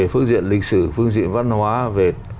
phương diện lịch sử phương diện văn hóa về